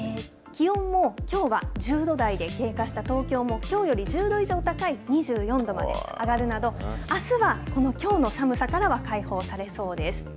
気温も、きょうは１０度台で経過した東京も、きょうより１０度以上高い２４度まで上がるなど、あすはこのきょうの寒さからは解放されそうです。